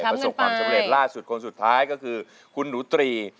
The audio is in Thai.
ประสบความสำเร็จล่าสุดคนสุดท้ายก็คือคุณหนูตรี